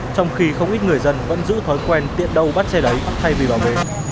trong khi không ít người dân vẫn giữ thói quen tiện đâu bắt xe đấy thay vì bảo vệ